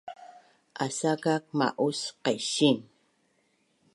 Asakak ma’us qaising